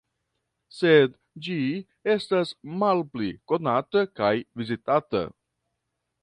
Sed ĝi estas malpli konata kaj vizitata.